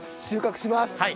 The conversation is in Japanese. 収穫します。